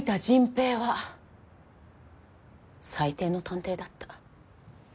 平は最低の探偵だった。